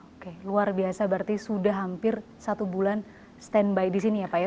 oke luar biasa berarti sudah hampir satu bulan standby di sini ya pak ya